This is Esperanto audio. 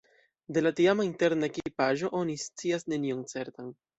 De la tiama interna ekipaĵo oni scias nenion certan.